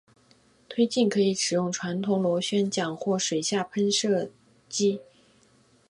推进可以使用传统水下螺旋桨或喷水机。